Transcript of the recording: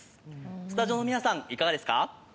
スタジオの皆さん、いかがですか？